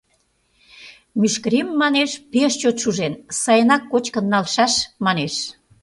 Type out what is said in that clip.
Мӱшкырем, манеш, пеш чот шужен, сайынак кочкын налшаш, манеш.